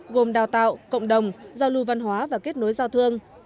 gồm đào tạo cộng đồng giao lưu văn hóa và kết nối giao thương